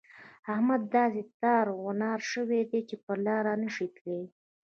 احمد داسې تار و نار شوی دی چې پر لاره نه شي تلای.